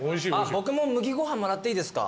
僕も麦ご飯もらっていいですか？